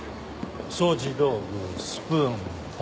掃除道具スプーン本。